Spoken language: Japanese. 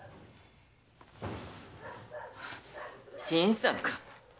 新さんか。